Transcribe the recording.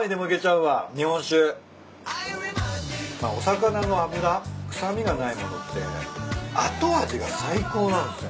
お魚の脂臭みがないものって後味が最高なんすよね。